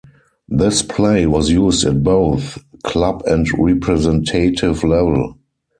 This play was used at both club and representative level.